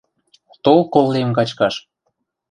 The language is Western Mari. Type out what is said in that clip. Тол кол лем качкаш.